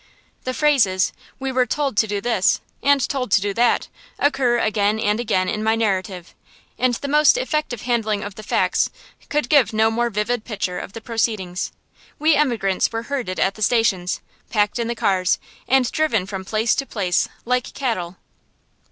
The phrases "we were told to do this" and "told to do that" occur again and again in my narrative, and the most effective handling of the facts could give no more vivid picture of the proceedings. We emigrants were herded at the stations, packed in the cars, and driven from place to place like cattle.